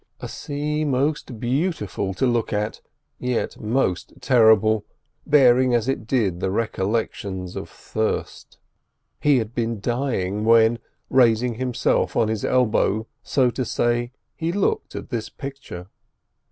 A sea most beautiful to look at, yet most terrible, bearing as it did the recollections of thirst. He had been dying, when, raising himself on his elbow, so to say, he looked at this picture.